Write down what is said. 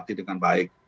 kita hati dengan baik